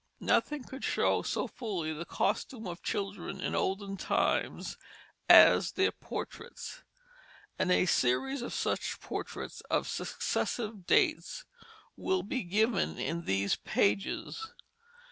Nothing could show so fully the costume of children in olden times as their portraits, and a series of such portraits of successive dates will be given in these pages.